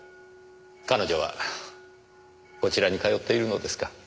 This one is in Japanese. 彼女はこちらに通っているのですか。